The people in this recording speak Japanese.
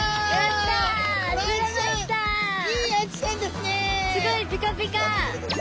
すごいピカピカ。